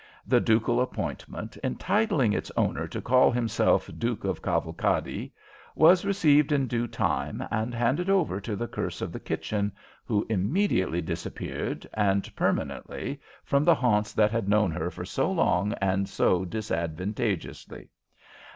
The ducal appointment, entitling its owner to call himself "Duke of Cavalcadi," was received in due time, and handed over to the curse of the kitchen, who immediately disappeared, and permanently, from the haunts that had known her for so long and so disadvantageously.